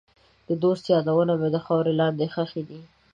د دوست یادونه مې د خاورې لاندې ښخې دي.